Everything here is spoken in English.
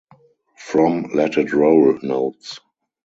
From "Let It Roll" notes.